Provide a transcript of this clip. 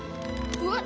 うわっ。